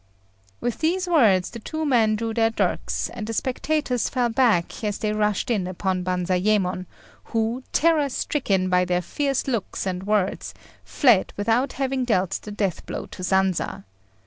With these words the two men drew their dirks, and the spectators fell back as they rushed in upon Banzayémon, who, terror stricken by their fierce looks and words, fled without having dealt the death blow to Sanza.